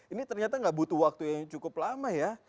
ini ternyata nggak butuh waktu yang cukup lama ya